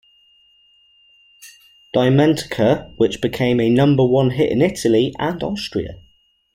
Dimentica, which became a number-one hit in Italy and Austria.